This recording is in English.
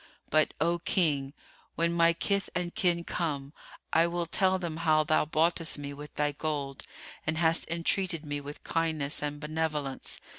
But, O King, when my kith and kin come, I will tell them how thou boughtest me with thy gold, and hast entreated me with kindness and benevolence.